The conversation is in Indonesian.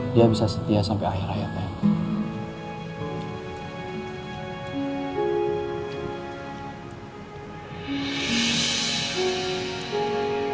dia bisa setia sampe akhir akhir